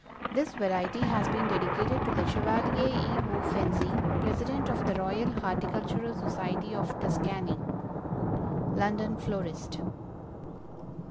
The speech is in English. This variety has been dedicated to the Chevalier E. O. FENZI, President of the Royal Horticultural Society of Tuscany. _London Florist.